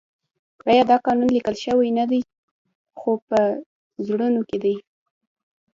آیا دا قانون لیکل شوی نه دی خو په زړونو کې دی؟